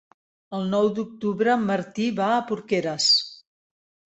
El nou d'octubre en Martí va a Porqueres.